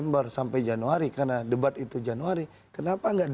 bukan belum siap